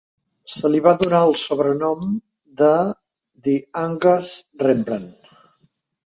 Se li va donar el sobrenom de The Angus Rembrandt.